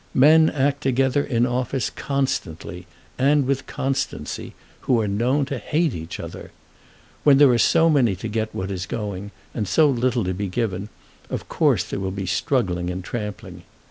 Men act together in office constantly, and with constancy, who are known to hate each other. When there are so many to get what is going, and so little to be given, of course there will be struggling and trampling.